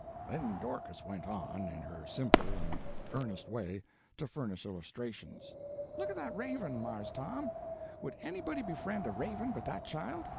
Then Dorcas went on, in her simple and earnest way, to furnish illustrations. "Look at that raven, Marse Tom. Would anybody befriend a raven but that child?